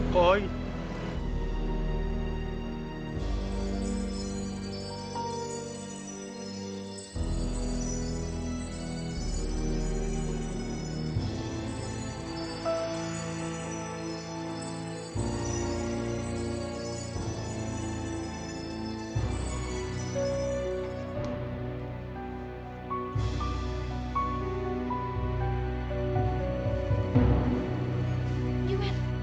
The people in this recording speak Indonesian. koi kau lupa tidak